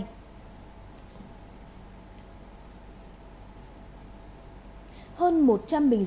hơn một trăm linh bình rượu ngâm động vật không rõ nguồn gốc